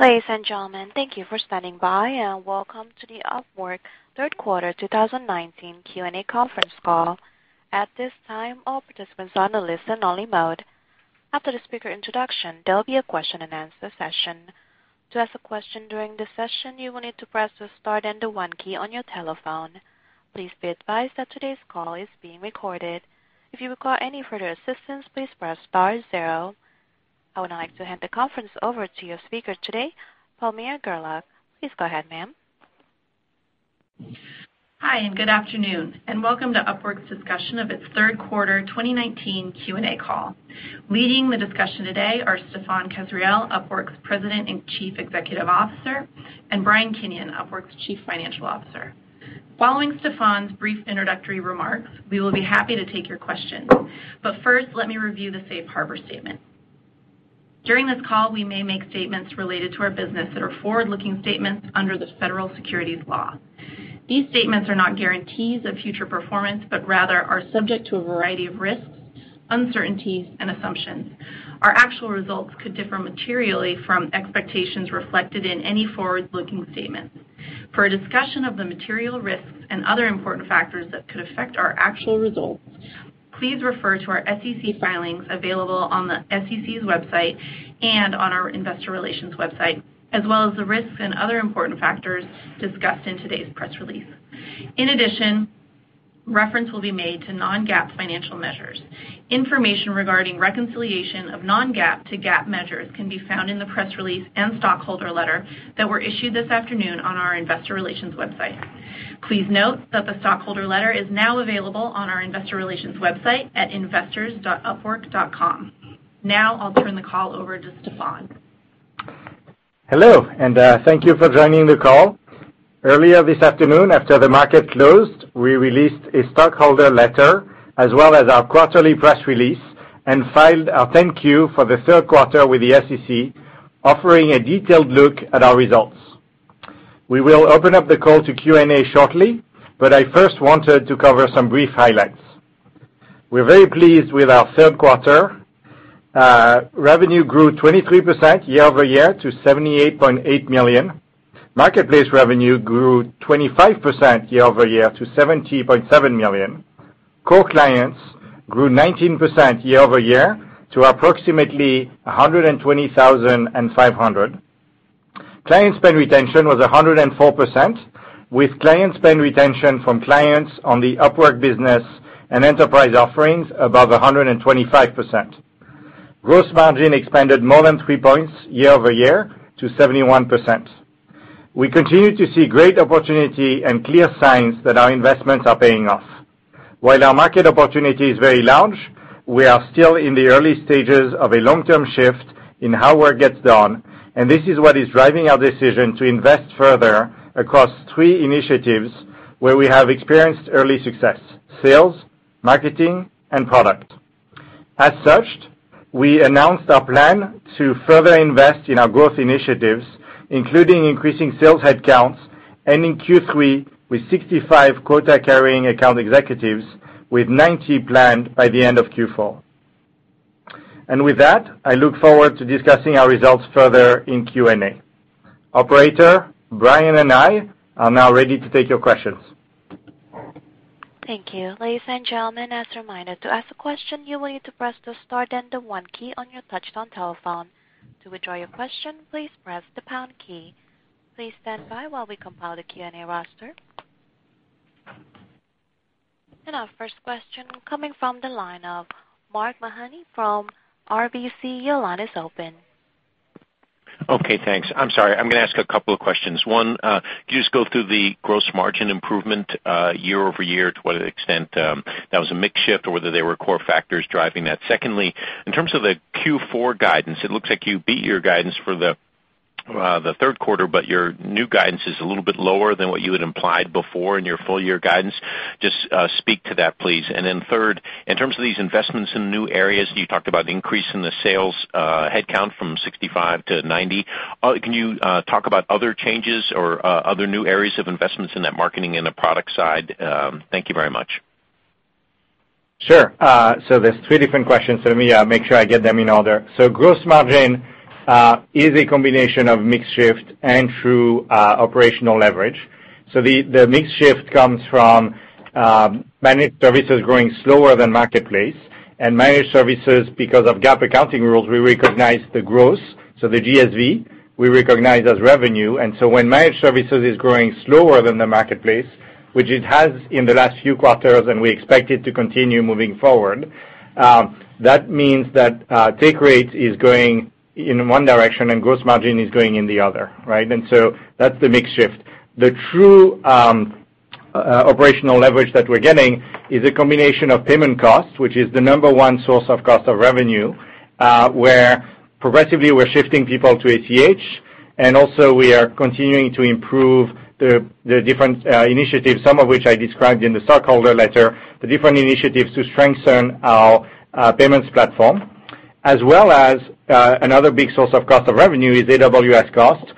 Ladies and gentlemen, thank you for standing by, and welcome to the Upwork third quarter 2019 Q&A conference call. At this time, all participants are on a listen only mode. After the speaker introduction, there'll be a question and answer session. To ask a question during this session, you will need to press the star then the one key on your telephone. Please be advised that today's call is being recorded. If you require any further assistance, please press star zero. I would now like to hand the conference over to your speaker today, Palmira Gerlach. Please go ahead, ma'am. Hi, and good afternoon, and welcome to Upwork's discussion of its third quarter 2019 Q&A call. Leading the discussion today are Stephane Kasriel, Upwork's President and Chief Executive Officer, and Brian Kinion, Upwork's Chief Financial Officer. Following Stephane's brief introductory remarks, we will be happy to take your questions. First, let me review the safe harbor statement. During this call, we may make statements related to our business that are forward-looking statements under the Federal Securities Law. These statements are not guarantees of future performance, but rather are subject to a variety of risks, uncertainties and assumptions. Our actual results could differ materially from expectations reflected in any forward-looking statements. For a discussion of the material risks and other important factors that could affect our actual results, please refer to our SEC filings available on the SEC's website and on our investor relations website, as well as the risks and other important factors discussed in today's press release. In addition, reference will be made to non-GAAP financial measures. Information regarding reconciliation of non-GAAP to GAAP measures can be found in the press release and stockholder letter that were issued this afternoon on our investor relations website. Please note that the stockholder letter is now available on our investor relations website at investors.upwork.com. Now, I'll turn the call over to Stephane. Hello, thank you for joining the call. Earlier this afternoon, after the market closed, we released a stockholder letter as well as our quarterly press release and filed our 10-Q for the third quarter with the SEC, offering a detailed look at our results. We will open up the call to Q&A shortly, but I first wanted to cover some brief highlights. We're very pleased with our third quarter. Revenue grew 23% year-over-year to $78.8 million. Marketplace revenue grew 25% year-over-year to $70.7 million. Core clients grew 19% year-over-year to approximately 120,500. Client spend retention was 104%, with client spend retention from clients on the Upwork Business and Upwork Enterprise offerings above 125%. Gross margin expanded more than three points year-over-year to 71%. We continue to see great opportunity and clear signs that our investments are paying off. While our market opportunity is very large, we are still in the early stages of a long-term shift in how work gets done, and this is what is driving our decision to invest further across three initiatives where we have experienced early success: sales, marketing, and product. As such, we announced our plan to further invest in our growth initiatives, including increasing sales headcounts, ending Q3 with 65 quota-carrying account executives with 90 planned by the end of Q4. With that, I look forward to discussing our results further in Q&A. Operator, Brian and I are now ready to take your questions. Thank you. Ladies and gentlemen, as a reminder, to ask a question, you will need to press the star then the 1 key on your touchtone telephone. To withdraw your question, please press the pound key. Please stand by while we compile the Q&A roster. Our first question coming from the line of Mark Mahaney from RBC, your line is open. Okay, thanks. I'm sorry, I'm going to ask a couple of questions. Could you just go through the gross margin improvement, year-over-year, to what extent, that was a mix shift or whether they were core factors driving that? In terms of the Q4 guidance, it looks like you beat your guidance for the third quarter, but your new guidance is a little bit lower than what you had implied before in your full year guidance. Just speak to that, please. Third, in terms of these investments in new areas, you talked about the increase in the sales headcount from 65 to 90. Can you talk about other changes or other new areas of investments in that marketing and the product side? Thank you very much. Sure. There's three different questions. Let me make sure I get them in order. Gross margin is a combination of mix shift and through operational leverage. The mix shift comes from managed services growing slower than Upwork Marketplace and managed services because of GAAP accounting rules, we recognize the gross, the GSV, we recognize as revenue. When managed services is growing slower than the Upwork Marketplace, which it has in the last few quarters, and we expect it to continue moving forward, that means that take rate is going in one direction and gross margin is going in the other, right? That's the mix shift. The true operational leverage that we're getting is a combination of payment costs, which is the number one source of cost of revenue, where progressively we're shifting people to ACH, and also we are continuing to improve the different initiatives, some of which I described in the stockholder letter, the different initiatives to strengthen our payments platform. As well as another big source of cost of revenue is AWS costs.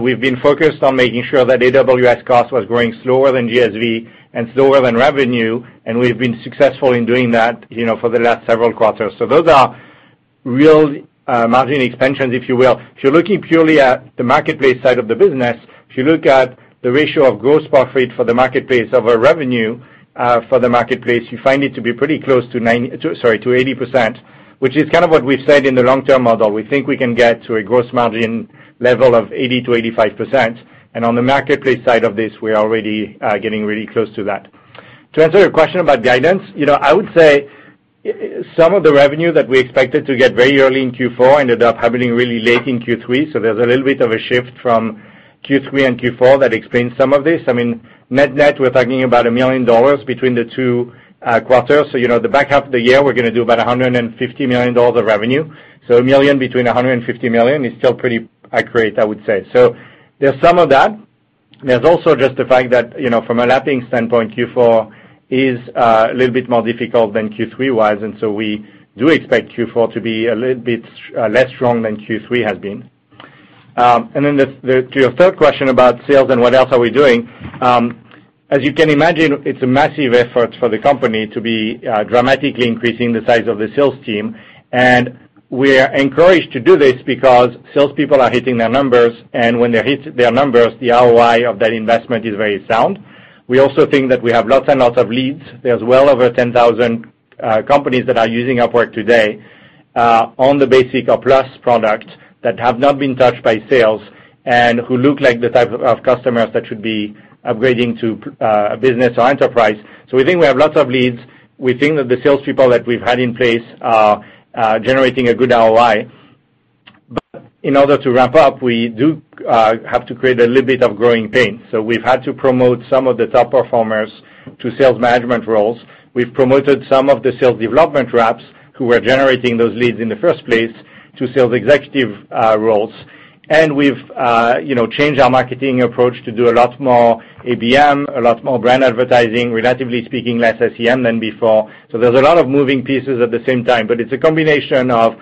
We've been focused on making sure that AWS cost was growing slower than GSV and slower than revenue, and we've been successful in doing that for the last several quarters. Those are real margin expansions, if you will. If you're looking purely at the marketplace side of the business, if you look at the ratio of gross profit for the marketplace of our revenue for the marketplace, you find it to be pretty close to 90, sorry, to 80%, which is kind of what we've said in the long-term model. We think we can get to a gross margin level of 80%-85%. On the marketplace side of this, we are already getting really close to that. To answer your question about guidance, I would say some of the revenue that we expected to get very early in Q4 ended up happening really late in Q3. There's a little bit of a shift from Q3 and Q4 that explains some of this. Net net, we're talking about $1 million between the two quarters. The back half of the year, we're going to do about $150 million of revenue. A $1 million between $150 million is still pretty accurate, I would say. There's some of that. There's also just the fact that, from a lapping standpoint, Q4 is a little bit more difficult than Q3 was, we do expect Q4 to be a little bit less strong than Q3 has been. To your third question about sales and what else are we doing? As you can imagine, it's a massive effort for the company to be dramatically increasing the size of the sales team, and we're encouraged to do this because salespeople are hitting their numbers, and when they hit their numbers, the ROI of that investment is very sound. We also think that we have lots and lots of leads. There's well over 10,000 companies that are using Upwork today on the Upwork Plus product that have not been touched by sales and who look like the type of customers that should be upgrading to Business or Enterprise. We think we have lots of leads. In order to ramp up, we do have to create a little bit of growing pain. We've had to promote some of the top performers to sales management roles. We've promoted some of the sales development reps who were generating those leads in the first place to sales executive roles. We've changed our marketing approach to do a lot more ABM, a lot more brand advertising, relatively speaking, less SEM than before. There's a lot of moving pieces at the same time, but it's a combination of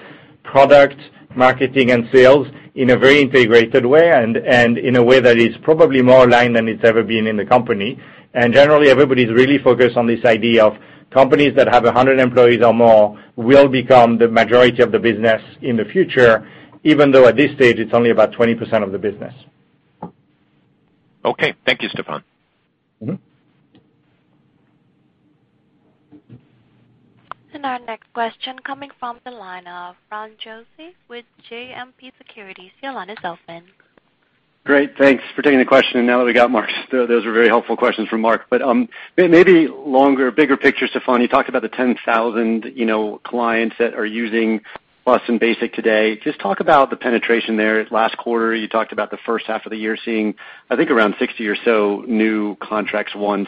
product, marketing, and sales in a very integrated way, and in a way that is probably more aligned than it's ever been in the company. Generally, everybody's really focused on this idea of companies that have 100 employees or more will become the majority of the business in the future, even though at this stage it's only about 20% of the business. Okay. Thank you, Stephane. Our next question coming from the line of Ron Josey with JMP Securities. Your line is open. Great. Thanks for taking the question. Now that we got Mark's, those were very helpful questions from Mark, but maybe longer, bigger picture, Stephane, you talked about the 10,000 clients that are using Plus and Basic today. Just talk about the penetration there. Last quarter, you talked about the first half of the year seeing, I think, around 60 or so new contracts won.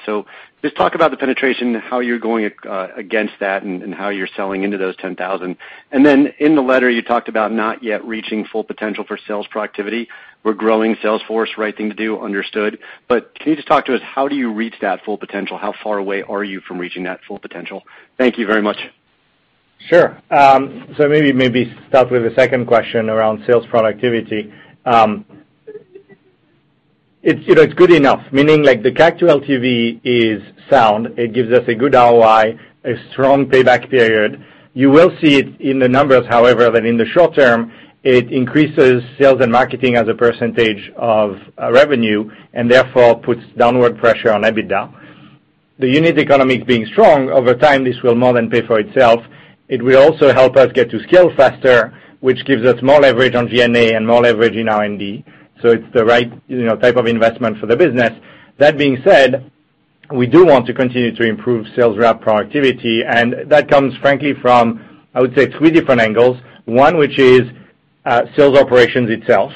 Just talk about the penetration, how you're going against that and how you're selling into those 10,000. In the letter, you talked about not yet reaching full potential for sales productivity. We're growing sales force, right thing to do, understood. Can you just talk to us, how do you reach that full potential? How far away are you from reaching that full potential? Thank you very much. Maybe start with the second question around sales productivity. It's good enough, meaning like the CAC to LTV is sound. It gives us a good ROI, a strong payback period. You will see it in the numbers, however, that in the short term, it increases sales and marketing as a % of revenue, and therefore, puts downward pressure on EBITDA. The unit economics being strong, over time, this will more than pay for itself. It will also help us get to scale faster, which gives us more leverage on G&A and more leverage in R&D. It's the right type of investment for the business. That being said, we do want to continue to improve sales rep productivity, that comes frankly from, I would say, three different angles. One, which is sales operations itself,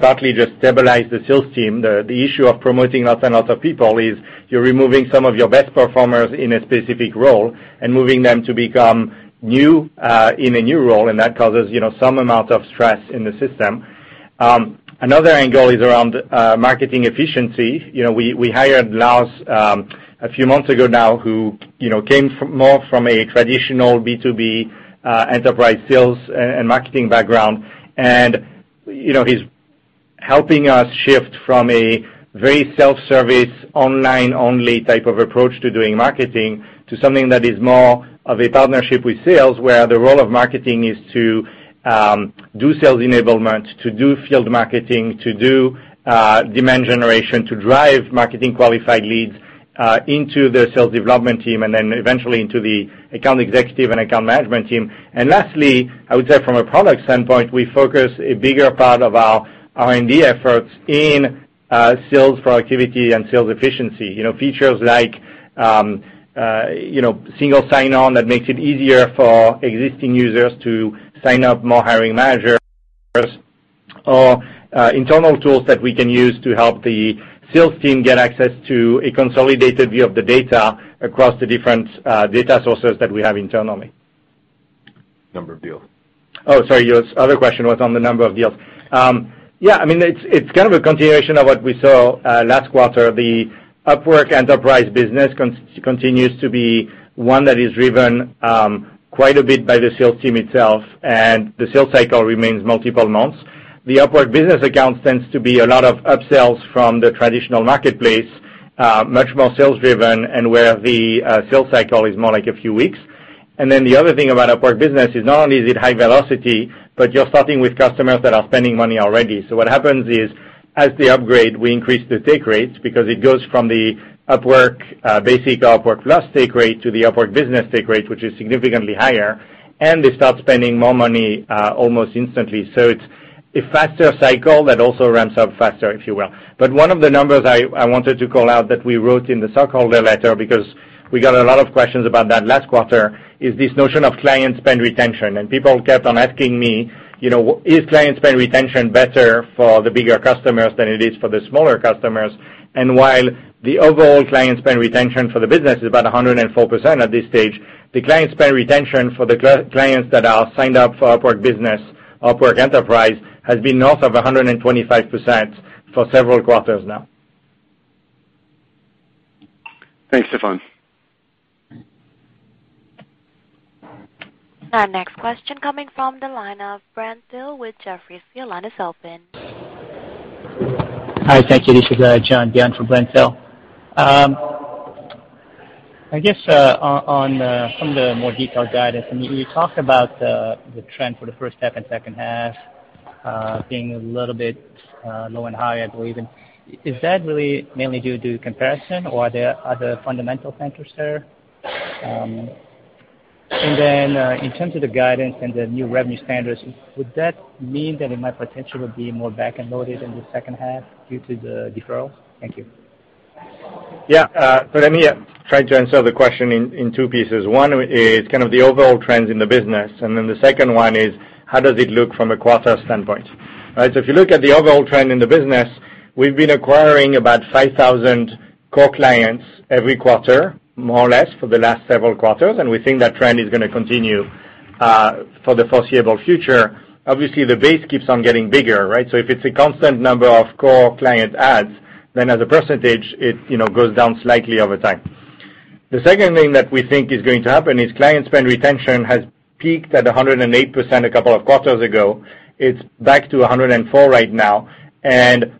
partly just stabilize the sales team. The issue of promoting lots and lots of people is you're removing some of your best performers in a specific role and moving them to become new in a new role, and that causes some amount of stress in the system. Another angle is around marketing efficiency. We hired Lars a few months ago now who came more from a traditional B2B enterprise sales and marketing background. He's helping us shift from a very self-service, online-only type of approach to doing marketing to something that is more of a partnership with sales, where the role of marketing is to do sales enablement, to do field marketing, to do demand generation, to drive marketing qualified leads into the sales development team, and then eventually into the account executive and account management team. Lastly, I would say from a product standpoint, we focus a bigger part of our R&D efforts in sales productivity and sales efficiency. Features like single sign-on that makes it easier for existing users to sign up more hiring managers or internal tools that we can use to help the sales team get access to a consolidated view of the data across the different data sources that we have internally. Number of deals. Oh, sorry. Your other question was on the number of deals. Yeah. It's kind of a continuation of what we saw last quarter. The Upwork Enterprise business continues to be one that is driven quite a bit by the sales team itself, and the sales cycle remains multiple months. The Upwork Business account tends to be a lot of upsells from the traditional marketplace. Much more sales driven and where the sales cycle is more like a few weeks. The other thing about Upwork Business is not only is it high velocity, but you're starting with customers that are spending money already. What happens is, as they upgrade, we increase the take rates because it goes from the Upwork Basic, Upwork Plus take rate to the Upwork Business take rate, which is significantly higher, and they start spending more money almost instantly. It's a faster cycle that also ramps up faster, if you will. One of the numbers I wanted to call out that we wrote in the stockholder letter, because we got a lot of questions about that last quarter, is this notion of client spend retention. People kept on asking me, "Is client spend retention better for the bigger customers than it is for the smaller customers?" While the overall client spend retention for the business is about 104% at this stage, the client spend retention for the clients that are signed up for Upwork Business, Upwork Enterprise, has been north of 125% for several quarters now. Thanks, Stephane. Our next question coming from the line of Brent Thill with Jefferies. Your line is open. Hi. Thank you. This is John Byun from Brent Thill. I guess on some of the more detailed guidance, you talked about the trend for the first half and second half being a little bit low and high, I believe. Is that really mainly due to comparison, or are there other fundamental factors there? In terms of the guidance and the new revenue standards, would that mean that it might potentially be more back-end loaded in the second half due to the deferral? Thank you. Yeah. Let me try to answer the question in two pieces. One is kind of the overall trends in the business, and then the second one is how does it look from a quarter standpoint, right? If you look at the overall trend in the business, we've been acquiring about 5,000 core clients every quarter, more or less for the last several quarters, and we think that trend is going to continue for the foreseeable future. Obviously, the base keeps on getting bigger, right? If it's a constant number of core client adds, then as a percentage, it goes down slightly over time. The second thing that we think is going to happen is client spend retention has peaked at 108% a couple of quarters ago. It's back to 104 right now,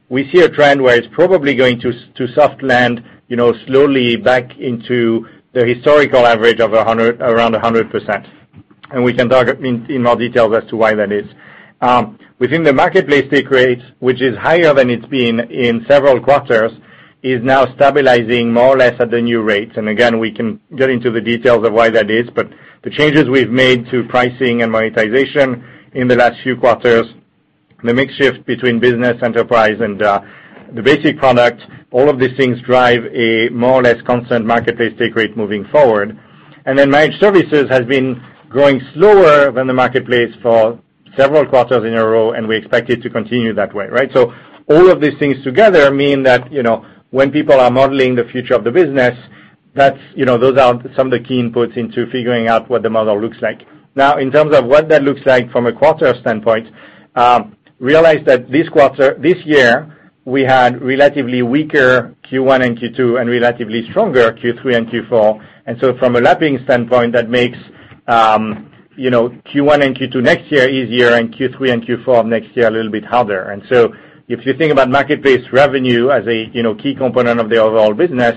we see a trend where it's probably going to soft land slowly back into the historical average of around 100%. We can talk in more details as to why that is. Within the Marketplace take rates, which is higher than it's been in several quarters, is now stabilizing more or less at the new rates. Again, we can get into the details of why that is, but the changes we've made to pricing and monetization in the last few quarters, the mix shift between Business, Enterprise and the Basic product, all of these things drive a more or less constant Marketplace take rate moving forward. Managed services has been growing slower than the Marketplace for several quarters in a row, and we expect it to continue that way, right? All of these things together mean that when people are modeling the future of the business, those are some of the key inputs into figuring out what the model looks like. In terms of what that looks like from a quarter standpoint, realize that this year, we had relatively weaker Q1 and Q2 and relatively stronger Q3 and Q4. From a lapping standpoint, that makes Q1 and Q2 next year easier and Q3 and Q4 of next year a little bit harder. If you think about marketplace revenue as a key component of the overall business,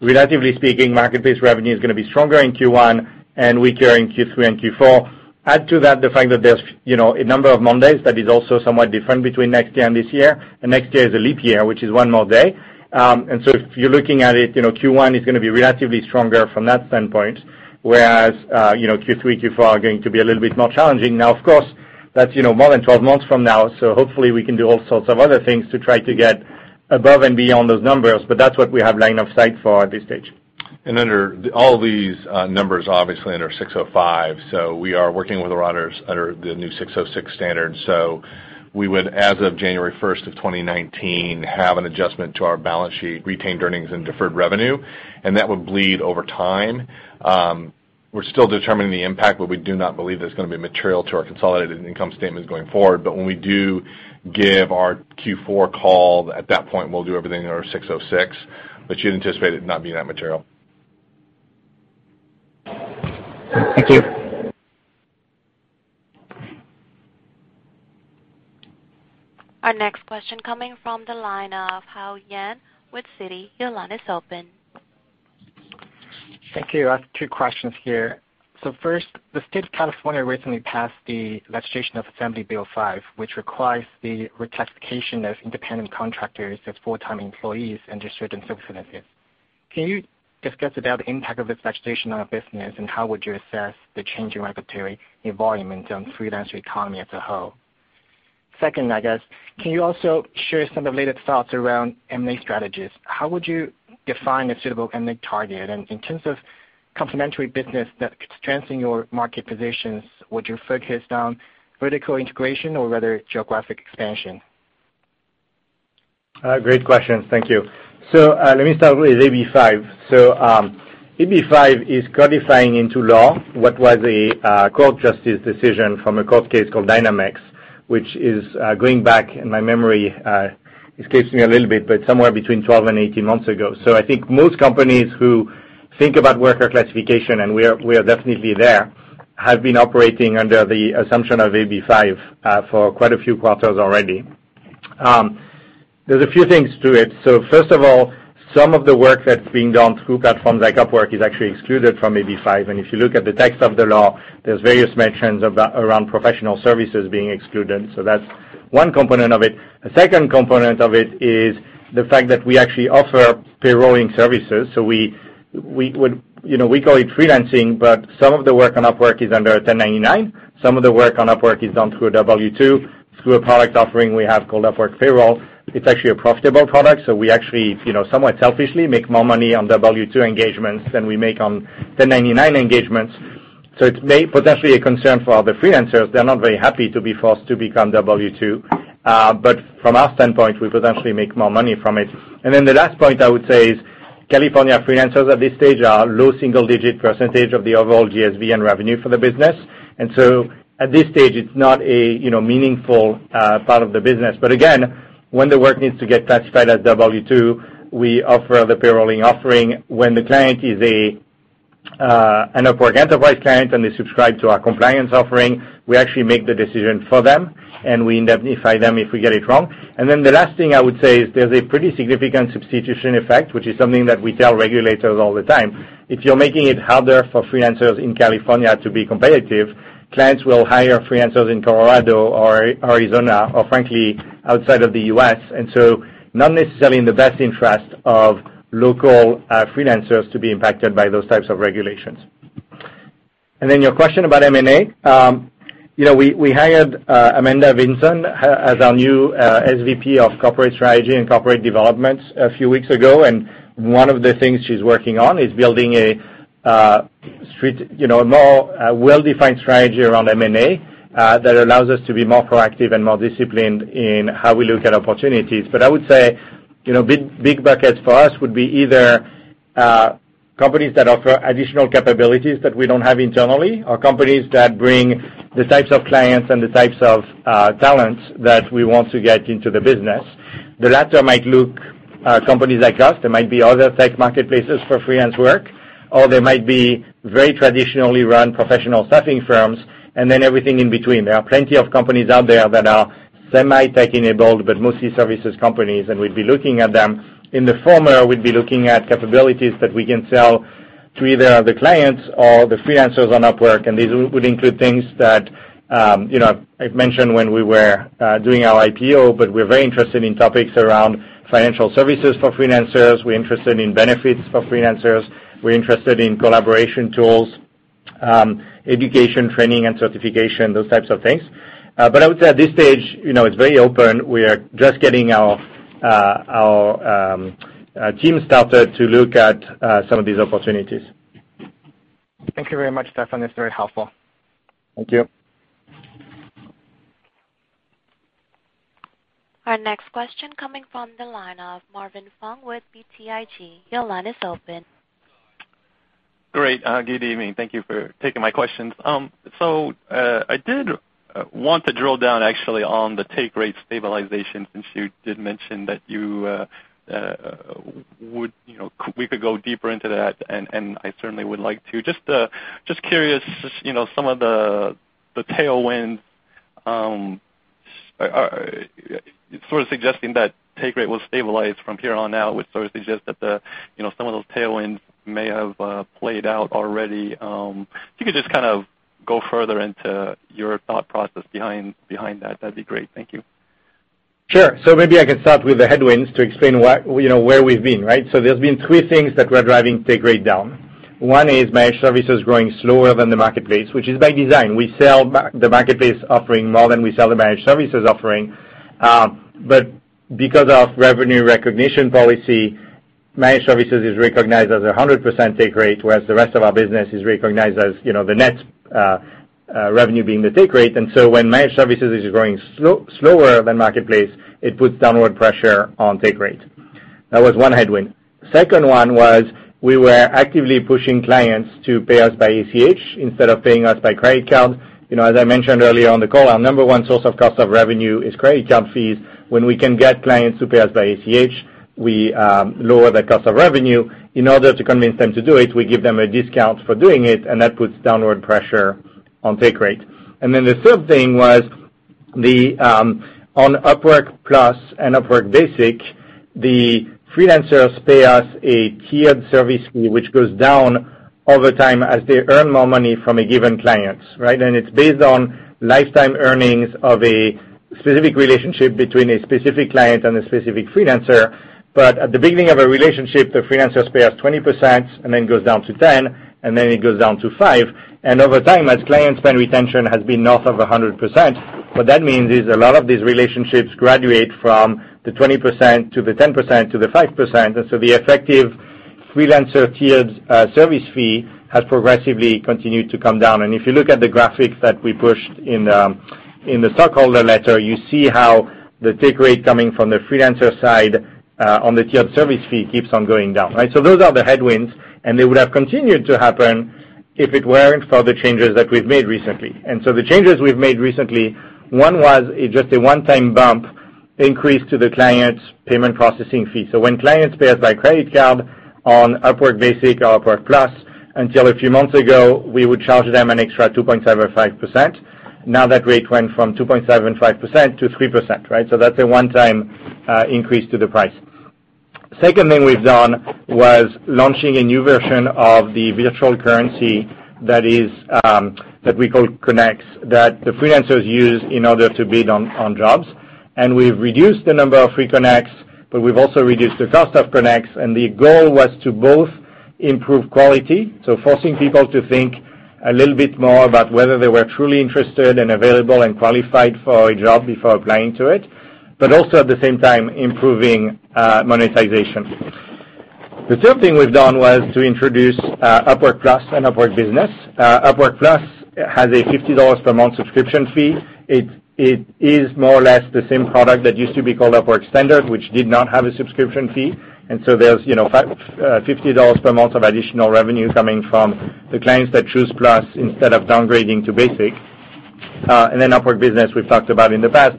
relatively speaking, marketplace revenue is going to be stronger in Q1 and weaker in Q3 and Q4. Add to that the fact that there's a number of Mondays that is also somewhat different between next year and this year, and next year is a leap year, which is one more day. If you're looking at it, Q1 is going to be relatively stronger from that standpoint, whereas Q3, Q4 are going to be a little bit more challenging. Of course, that's more than 12 months from now, so hopefully we can do all sorts of other things to try to get above and beyond those numbers. That's what we have line of sight for at this stage. Under all these numbers, obviously under 605, we are working with our auditors under the new 606 standards. We would, as of January 1st of 2019, have an adjustment to our balance sheet, retained earnings, and deferred revenue, and that would bleed over time. We're still determining the impact, we do not believe there's going to be material to our consolidated income statements going forward. When we do give our Q4 call, at that point, we'll do everything under 606. You'd anticipate it not being that material. Thank you. Our next question coming from the line of Hao Yan with Citi. Your line is open. Thank you. I have two questions here. First, the State of California recently passed the legislation of Assembly Bill 5, which requires the reclassification of independent contractors as full-time employees under certain circumstances. Can you discuss about the impact of this legislation on our business, and how would you assess the change in regulatory environment on freelancer economy as a whole? Second, I guess, can you also share some of the latest thoughts around M&A strategies? How would you define a suitable M&A target? In terms of complementary business that could strengthen your market positions, would you focus on vertical integration or rather geographic expansion? Great questions. Thank you. Let me start with AB 5. AB 5 is codifying into law what was a court justice decision from a court case called Dynamex, which is going back, and my memory is casing a little bit, but somewhere between 12 and 18 months ago. I think most companies who think about worker classification, and we are definitely there, have been operating under the assumption of AB5 for quite a few quarters already. There's a few things to it. First of all, some of the work that's being done through platforms like Upwork is actually excluded from AB5. If you look at the text of the law, there's various mentions around professional services being excluded. That's one component of it. The second component of it is the fact that we actually offer payrolling services. We call it freelancing, but some of the work on Upwork is under 1099. Some of the work on Upwork is done through a W2, through a product offering we have called Upwork Payroll. It's actually a profitable product, so we actually, somewhat selfishly, make more money on W2 engagements than we make on 1099 engagements. It may potentially a concern for other freelancers. They're not very happy to be forced to become W2. From our standpoint, we potentially make more money from it. The last point I would say is California freelancers at this stage are a low single-digit percentage of the overall GSV revenue for the business. At this stage, it's not a meaningful part of the business. Again, when the work needs to get classified as W2, we offer the payrolling offering. When the client is an Upwork Enterprise client and they subscribe to our compliance offering, we actually make the decision for them, and we indemnify them if we get it wrong. The last thing I would say is there's a pretty significant substitution effect, which is something that we tell regulators all the time. If you're making it harder for freelancers in California to be competitive, clients will hire freelancers in Colorado or Arizona or frankly, outside of the U.S. Not necessarily in the best interest of local freelancers to be impacted by those types of regulations. Your question about M&A. We hired Amanda Vinson as our new SVP of corporate strategy and corporate development a few weeks ago, and one of the things she's working on is building a more well-defined strategy around M&A that allows us to be more proactive and more disciplined in how we look at opportunities. I would say, big buckets for us would be either companies that offer additional capabilities that we don't have internally or companies that bring the types of clients and the types of talents that we want to get into the business. The latter might look companies like us. There might be other tech marketplaces for freelance work, or there might be very traditionally run professional staffing firms, and then everything in between. There are plenty of companies out there that are semi tech-enabled, but mostly services companies, and we'd be looking at them. In the former, we'd be looking at capabilities that we can sell to either the clients or the freelancers on Upwork. These would include things that I've mentioned when we were doing our IPO. We're very interested in topics around financial services for freelancers. We're interested in benefits for freelancers. We're interested in collaboration tools, education, training and certification, those types of things. I would say at this stage, it's very open. We are just getting our team started to look at some of these opportunities. Thank you very much, Stephane. That's very helpful. Thank you. Our next question coming from the line of Marvin Fong with BTIG. Your line is open. Great. Good evening. Thank you for taking my questions. I did want to drill down actually on the take rate stabilization, since you did mention that we could go deeper into that, and I certainly would like to. Just curious, some of the tailwinds sort of suggesting that take rate will stabilize from here on out, which sort of suggests that some of those tailwinds may have played out already. If you could just kind of go further into your thought process behind that'd be great. Thank you. Sure. Maybe I can start with the headwinds to explain where we've been, right? There's been three things that were driving take rate down. One is managed services growing slower than the marketplace, which is by design. We sell the marketplace offering more than we sell the managed services offering. Because of revenue recognition policy, managed services is recognized as 100% take rate, whereas the rest of our business is recognized as the net revenue being the take rate. When managed services is growing slower than marketplace, it puts downward pressure on take rate. That was one headwind. Second one was we were actively pushing clients to pay us by ACH instead of paying us by credit card. As I mentioned earlier on the call, our number one source of cost of revenue is credit card fees. When we can get clients to pay us by ACH, we lower the cost of revenue. In order to convince them to do it, we give them a discount for doing it, that puts downward pressure on take rate. The third thing was on Upwork Plus and Upwork Basic, the freelancers pay us a tiered service fee, which goes down over time as they earn more money from a given client, right? It's based on lifetime earnings of a specific relationship between a specific client and a specific freelancer. At the beginning of a relationship, the freelancers pay us 20%, then goes down to 10%, and then it goes down to 5%. Over time, as client spend retention has been north of 100%, what that means is a lot of these relationships graduate from the 20% to the 10% to the 5%, the effective freelancer tiered service fee has progressively continued to come down. If you look at the graphics that we pushed in the stockholder letter, you see how the take rate coming from the freelancer side, on the tiered service fee, keeps on going down, right? Those are the headwinds, they would have continued to happen if it weren't for the changes that we've made recently. The changes we've made recently, one was just a one-time bump increase to the client's payment processing fee. When clients pay us by credit card on Upwork Basic or Upwork Plus, until a few months ago, we would charge them an extra 2.75%. That rate went from 2.75% to 3%, right? That's a one-time increase to the price. Second thing we've done was launching a new version of the virtual currency that we call Connects, that the freelancers use in order to bid on jobs. We've reduced the number of free Connects, but we've also reduced the cost of Connects, and the goal was to both improve quality, so forcing people to think a little bit more about whether they were truly interested and available and qualified for a job before applying to it, but also at the same time improving monetization. The third thing we've done was to introduce Upwork Plus and Upwork Business. Upwork Plus has a $50 per month subscription fee. It is more or less the same product that used to be called Upwork Standard, which did not have a subscription fee. There's $50 per month of additional revenue coming from the clients that choose Plus instead of downgrading to Basic. Upwork Business, we've talked about in the past.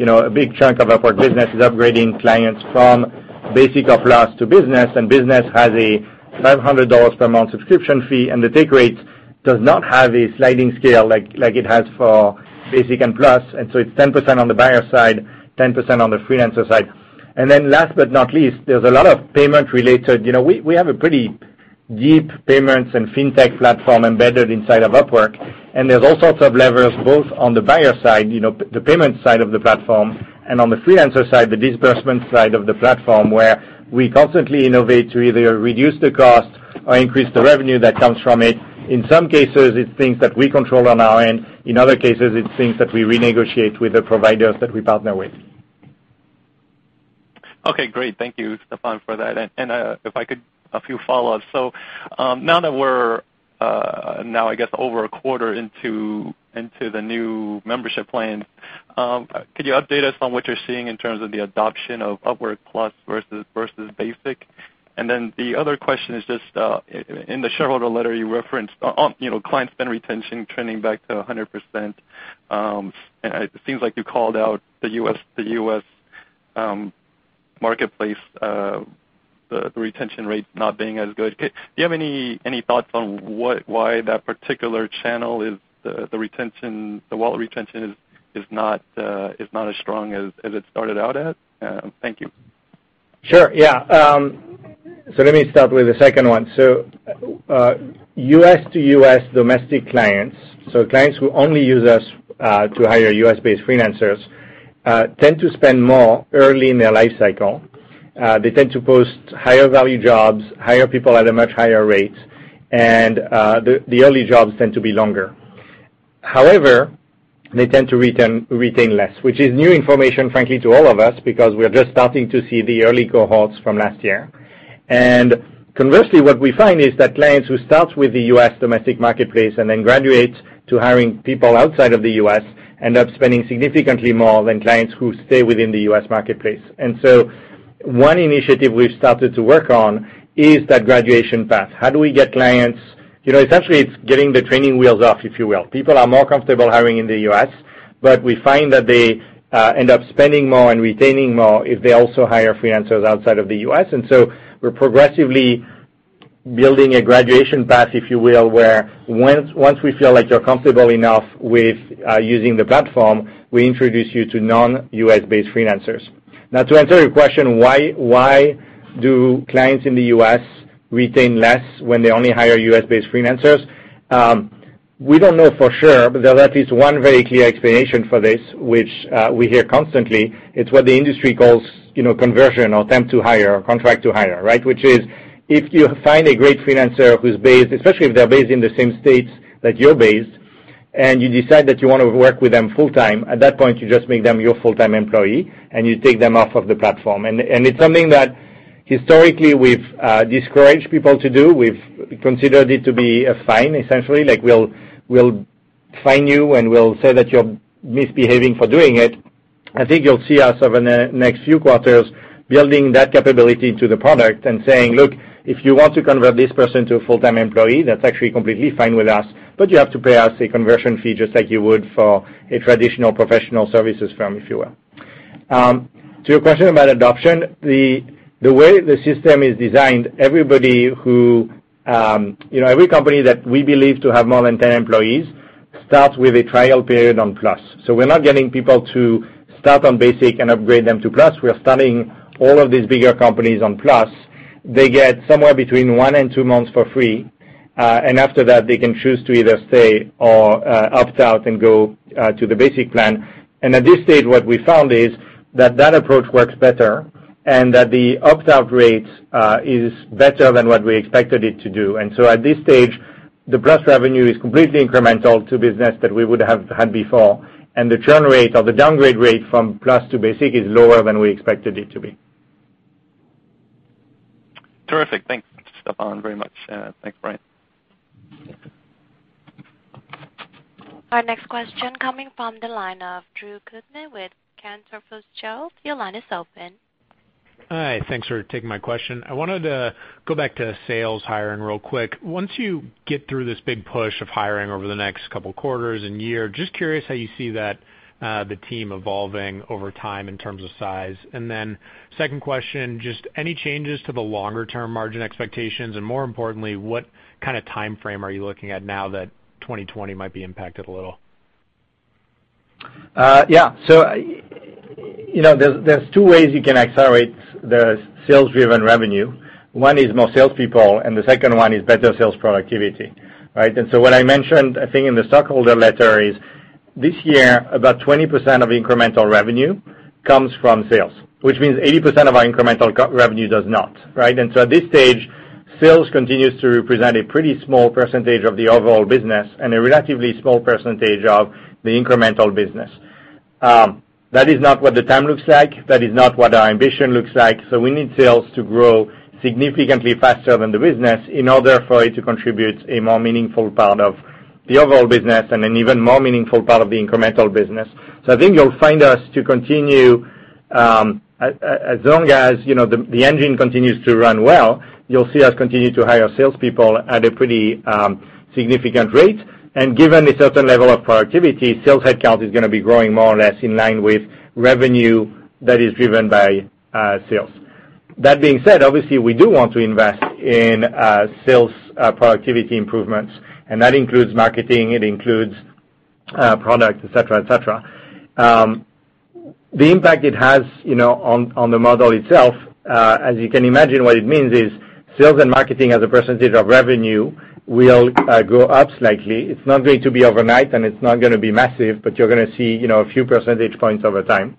A big chunk of Upwork Business is upgrading clients from Basic or Plus to Business, and Business has a $500 per month subscription fee, and the take rate does not have a sliding scale like it has for Basic and Plus. It's 10% on the buyer side, 10% on the freelancer side. Last but not least, there's a lot of payment related. We have a pretty deep payments and fintech platform embedded inside of Upwork, and there's all sorts of levers both on the buyer side, the payment side of the platform, and on the freelancer side, the disbursement side of the platform, where we constantly innovate to either reduce the cost or increase the revenue that comes from it. In some cases, it's things that we control on our end. In other cases, it's things that we renegotiate with the providers that we partner with. Okay, great. Thank you, Stephane, for that. If I could, a few follow-ups. Now that we're now I guess over a quarter into the new membership plan, could you update us on what you're seeing in terms of the adoption of Upwork Plus versus Basic? The other question is just, in the shareholder letter you referenced client spend retention trending back to 100%. It seems like you called out the U.S. marketplace, the retention rate not being as good. Do you have any thoughts on why that particular channel is the wallet retention not as strong as it started out at? Thank you. Sure, yeah. Let me start with the second one. U.S. to U.S. domestic clients who only use Upwork to hire U.S.-based freelancers, tend to spend more early in their life cycle. They tend to post higher value jobs, hire people at a much higher rate, and the early jobs tend to be longer. However, they tend to retain less, which is new information, frankly, to all of us, because we're just starting to see the early cohorts from last year. Conversely, what we find is that clients who start with the U.S. domestic Upwork Marketplace and then graduate to hiring people outside of the U.S. end up spending significantly more than clients who stay within the U.S. Upwork Marketplace. One initiative we've started to work on is that graduation path. How do we get clients? Essentially, it's getting the training wheels off, if you will. People are more comfortable hiring in the U.S., but we find that they end up spending more and retaining more if they also hire freelancers outside of the U.S. We're progressively building a graduation path, if you will, where once we feel like you're comfortable enough with using the platform, we introduce you to non-U.S.-based freelancers. Now, to answer your question, why do clients in the U.S. retain less when they only hire U.S.-based freelancers? We don't know for sure, but there at least one very clear explanation for this, which we hear constantly. It's what the industry calls conversion or temp to hire or contract to hire, right? If you find a great freelancer who's based, especially if they're based in the same state that you're based, and you decide that you want to work with them full-time, at that point, you just make them your full-time employee and you take them off of the platform. It's something that historically we've discouraged people to do. We've considered it to be a fine, essentially. We'll fine you, and we'll say that you're misbehaving for doing it. I think you'll see us over the next few quarters building that capability into the product and saying, "Look, if you want to convert this person to a full-time employee, that's actually completely fine with us, but you have to pay us a conversion fee just like you would for a traditional professional services firm," if you will. To your question about adoption, the way the system is designed, every company that we believe to have more than 10 employees starts with a trial period on Upwork Plus. We're not getting people to start on Upwork Basic and upgrade them to Upwork Plus. We are starting all of these bigger companies on Upwork Plus. They get somewhere between one and two months for free, and after that, they can choose to either stay or opt out and go to the Upwork Basic plan. At this stage, what we found is that that approach works better, and that the opt-out rate is better than what we expected it to do. At this stage, the Upwork Plus revenue is completely incremental to business that we would have had before, and the churn rate or the downgrade rate from Upwork Plus to Upwork Basic is lower than we expected it to be. Terrific. Thanks, Stephane, very much. Thanks, Brian. Our next question coming from the line of Drew Kootman with Cantor Fitzgerald. Your line is open. Hi, thanks for taking my question. I wanted to go back to sales hiring real quick. Once you get through this big push of hiring over the next couple of quarters and year, just curious how you see the team evolving over time in terms of size. Second question, just any changes to the longer-term margin expectations? More importantly, what kind of timeframe are you looking at now that 2020 might be impacted a little? There's two ways you can accelerate the sales-driven revenue. One is more salespeople, the second one is better sales productivity, right? What I mentioned, I think, in the stockholder letter is this year, about 20% of incremental revenue comes from sales, which means 80% of our incremental revenue does not, right? At this stage, sales continues to represent a pretty small percentage of the overall business and a relatively small percentage of the incremental business. That is not what the time looks like. That is not what our ambition looks like. We need sales to grow significantly faster than the business in order for it to contribute a more meaningful part of the overall business and an even more meaningful part of the incremental business. I think you'll find us to continue, as long as the engine continues to run well, you'll see us continue to hire salespeople at a pretty significant rate. Given a certain level of productivity, sales headcount is going to be growing more or less in line with revenue that is driven by sales. That being said, obviously, we do want to invest in sales productivity improvements, and that includes marketing, it includes product, et cetera. The impact it has on the model itself, as you can imagine, what it means is sales and marketing as a % of revenue will go up slightly. It's not going to be overnight, and it's not going to be massive, but you're going to see a few percentage points over time.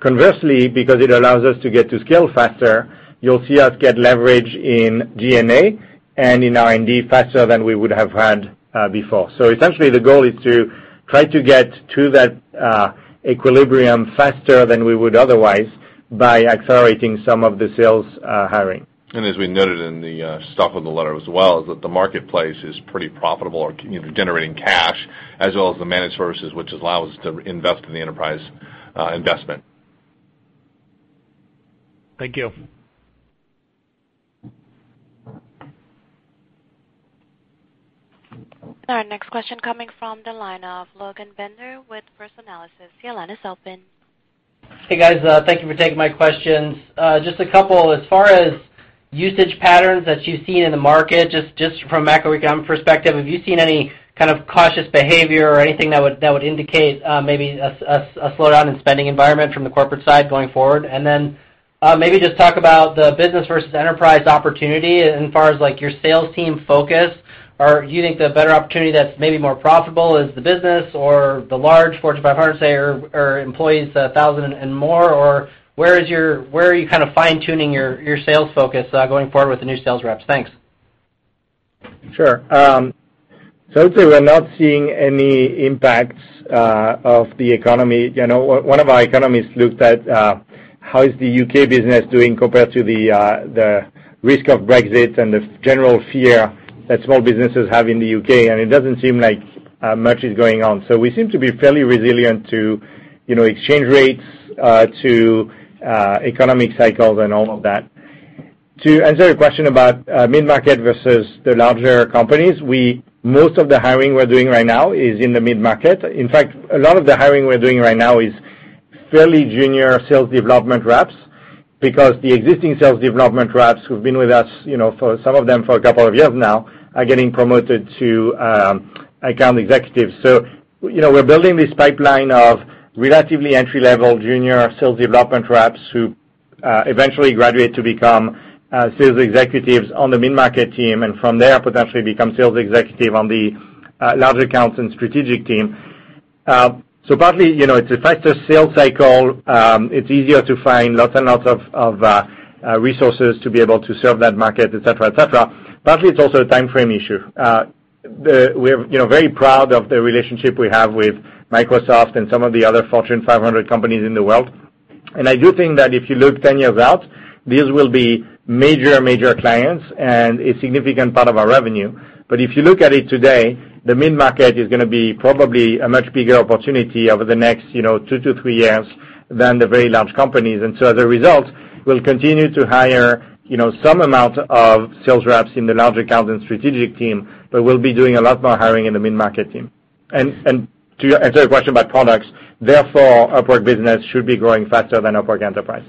Conversely, because it allows us to get to scale faster, you'll see us get leverage in G&A and in R&D faster than we would have had before. Essentially, the goal is to try to get to that equilibrium faster than we would otherwise by accelerating some of the sales hiring. As we noted in the stockholder letter as well, is that the marketplace is pretty profitable or generating cash, as well as the managed services, which allows us to invest in the Upwork Enterprise investment. Thank you. Our next question coming from the line of Logan Bender with First Analysis. Your line is open. Hey, guys. Thank you for taking my questions. Just a couple. As far as usage patterns that you've seen in the market, just from a macroeconomy perspective, have you seen any kind of cautious behavior or anything that would indicate maybe a slowdown in spending environment from the corporate side going forward? Maybe just talk about the business versus enterprise opportunity as far as your sales team focus. Do you think the better opportunity that's maybe more profitable is the business or the large Fortune 500, say, or employees 1,000 and more? Where are you kind of fine-tuning your sales focus going forward with the new sales reps? Thanks. Sure. I would say we're not seeing any impacts of the economy. One of our economists looked at how is the U.K. business doing compared to the risk of Brexit and the general fear that small businesses have in the U.K., and it doesn't seem like much is going on. We seem to be fairly resilient to exchange rates, to economic cycles and all of that. To answer your question about mid-market versus the larger companies, most of the hiring we're doing right now is in the mid-market. In fact, a lot of the hiring we're doing right now is fairly junior sales development reps because the existing sales development reps who've been with us, some of them for a couple of years now, are getting promoted to account executives. We're building this pipeline of relatively entry-level junior sales development reps who eventually graduate to become sales executives on the mid-market team, and from there, potentially become sales executive on the large accounts and strategic team. Partly, it's a faster sales cycle. It's easier to find lots and lots of resources to be able to serve that market, et cetera. Partly, it's also a timeframe issue. We're very proud of the relationship we have with Microsoft and some of the other Fortune 500 companies in the world. I do think that if you look 10 years out, these will be major clients and a significant part of our revenue. If you look at it today, the mid-market is going to be probably a much bigger opportunity over the next two to three years than the very large companies. As a result, we'll continue to hire some amount of sales reps in the large account and strategic team. We'll be doing a lot more hiring in the mid-market team. To answer your question about products, therefore, Upwork Business should be growing faster than Upwork Enterprise.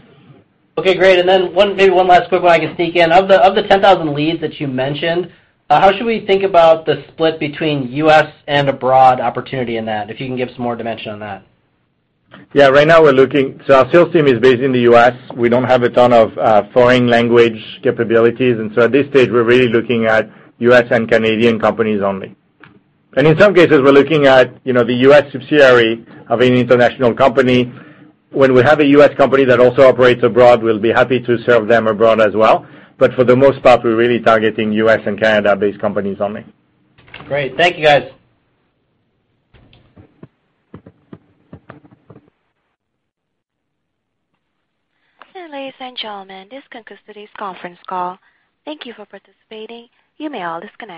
Okay, great. Maybe one last quick one I can sneak in. Of the 10,000 leads that you mentioned, how should we think about the split between U.S. and abroad opportunity in that? If you can give some more dimension on that. Right now, our sales team is based in the U.S. We don't have a ton of foreign language capabilities, at this stage, we're really looking at U.S. and Canadian companies only. In some cases, we're looking at the U.S. subsidiary of an international company. When we have a U.S. company that also operates abroad, we'll be happy to serve them abroad as well. For the most part, we're really targeting U.S. and Canada-based companies only. Great. Thank you, guys. Ladies and gentlemen, this concludes today's conference call. Thank you for participating. You may all disconnect.